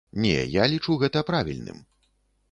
Не, я лічу гэта правільным.